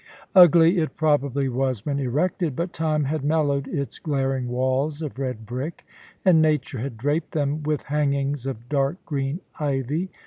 Ugly it probably was when erected, but time had mellowed its glaring walls of red brick, and nature had draped them with hangings of dark green ivy.